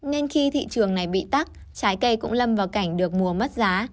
nên khi thị trường này bị tắt trái cây cũng lâm vào cảnh được mùa mất giá